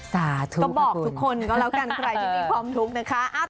สาธุก็บอกทุกคนก็แล้วกันใครที่มีความทุกข์นะคะ